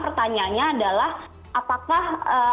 pertanyaannya adalah apakah